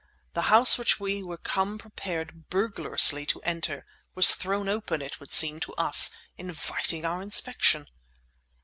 The house which we were come prepared burglariously to enter was thrown open, it would seem, to us, inviting our inspection!